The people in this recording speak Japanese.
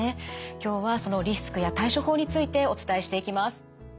今日はそのリスクや対処法についてお伝えしていきます。